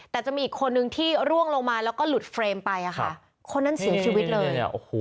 แต่จะมีอีกคนนึงที่ร่วงลงมาแล้วก็หลุดเฟรมไปคนนั้นเสียชีวิตเลย